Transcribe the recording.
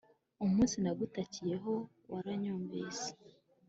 Umunsi nagutakiyeho waranyumvise